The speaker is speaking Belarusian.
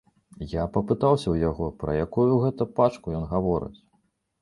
Я папытаўся ў яго, пра якую гэта пачку ён гаворыць.